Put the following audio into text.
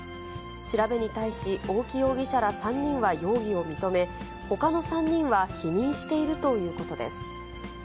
調べに対し、大木容疑者ら３人は容疑を認め、ほかの３人は否認しているということです。